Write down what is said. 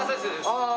ああ